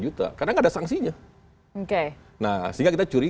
itu namanya juga stipensi manusia which is like penebusi